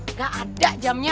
nggak ada jamnya